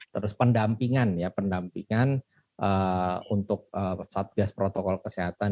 terus pendampingan untuk satgas protokol kesehatan